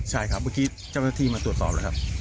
ใช่ครับเมื่อกี้เจ้าหน้าที่มาตรวจสอบแล้วครับ